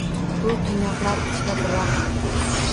Bu qiynoqlar ichra biroq